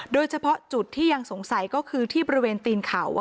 โดยเฉพาะจุดที่ยังสงสัยก็คือที่บริเวณตีนเขา